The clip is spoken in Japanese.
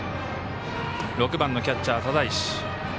６番のキャッチャー、只石。